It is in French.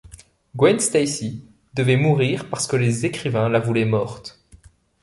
Gwen Stacy devait mourir parce que les écrivains la voulaient morte.